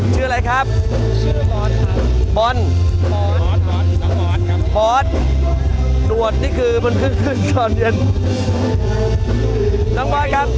ชื่ออะไรครับ